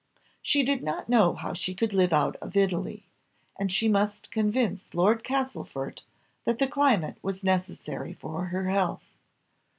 She did not know how she could live out of Italy, and she must convince Lord Castlefort that the climate was necessary for her health.